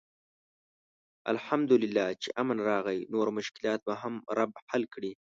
الحمدالله چې امن راغی، نور مشکلات به هم رب حل کړي.